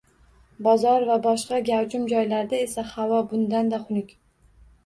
Bozor va boshqa gavjum joylarda esa ahvol bundan-da xunuk.